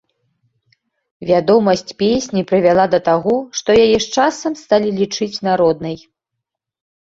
Вядомасць песні прывяла да таго, што яе з часам сталі лічыць народнай.